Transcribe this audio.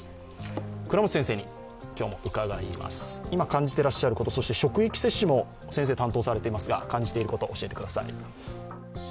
今、感じてらっしゃること、そして職員接種も先生、担当されていますが感じていること教えてください。